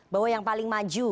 bahwa yang paling maju